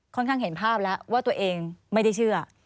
ข้างเห็นภาพแล้วว่าตัวเองไม่ได้เชื่อ